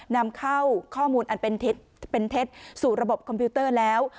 นำเข้าข้อมูลอันเป็นเท็จสู่ระบบคอมพิวเตอร์แล้ว